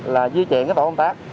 là di chuyển cái tổ công tác